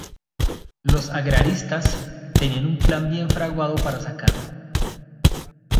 Los agraristas, tenían un plan bien fraguado para sacarlo.